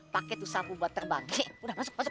paket tuh sabu buat terbang udah masuk masuk